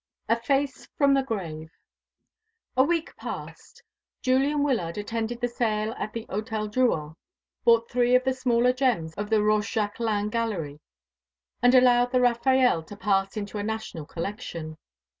A FACE FROM THE GRAVE. A week passed. Julian Wyllard attended the sale at the Hôtel Drouot, bought three of the smaller gems of the Rochejaquelin gallery, and allowed the Raffaelle to pass into a national collection.